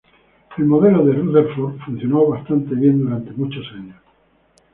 El modelo de Rutherford funcionó bastante bien durante muchos años.